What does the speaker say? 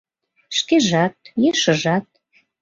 Шкежат, ешыжат